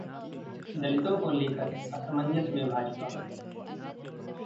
दलितों को लेकर असमंजस में भाजपा